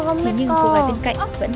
đón nó ra đây